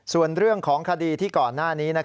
ส่วนเรื่องของคดีที่ก่อนหน้านี้